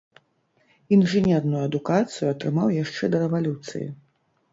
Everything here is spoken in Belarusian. Інжынерную адукацыю атрымаў яшчэ да рэвалюцыі.